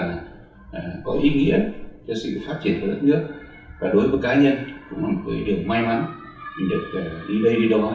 đặc biệt là đối với sự phát triển của đất nước và đối với cá nhân cũng là một điều may mắn mình được đi đây đi đó